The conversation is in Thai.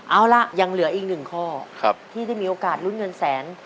เอาล่ะยังเหลืออีกหนึ่งข้อที่ได้มีโอกาสลุ้นเงินแสน